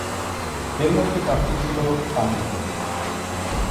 এর মধ্যে চারটি ছিল তামিল প্রকল্প।